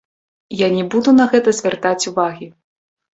Я не буду на гэта звяртаць увагі!